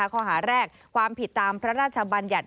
ข้อหาแรกความผิดตามพระราชบัญญัติ